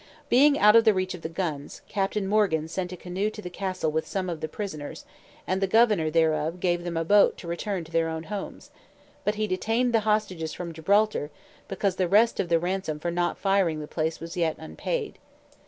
Being out of the reach of the guns, Captain Morgan sent a canoe to the castle with some of the prisoners, and the governor thereof gave them a boat to return to their own homes; but he detained the hostages from Gibraltar, because the rest of the ransom for not firing the place was yet unpaid.